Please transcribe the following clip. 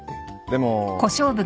でも。